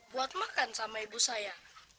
buat makan sama ibu saya